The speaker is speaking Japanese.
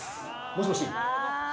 もしもし。